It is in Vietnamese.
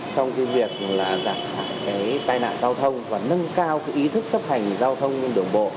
trong việc giảm thả cái tai nạn giao thông và nâng cao ý thức chấp hành giao thông trên đường bộ